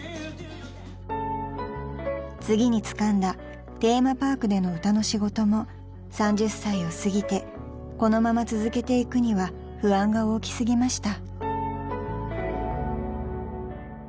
［次につかんだテーマパークでの歌の仕事も３０歳を過ぎてこのまま続けていくには不安が大き過ぎました］